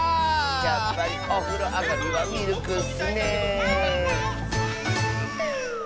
やっぱりおふろあがりはミルクッスねえ。